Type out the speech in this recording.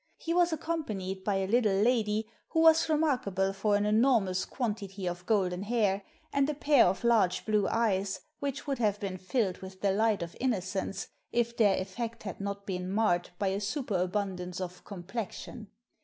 He was accom panied by a little lady, who was remarkable for an enormous quantity of golden hair, and a pair of large blue ^yts which would have been filled with the light of innocence if their effect had not been marred by a superabundance of " complexion."